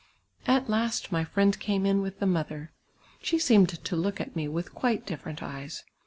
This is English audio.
At last my friend came in with the mother. She seemed to look at me vnih quite different eyes.